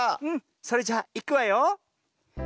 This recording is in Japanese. うんそれじゃあいくわよ。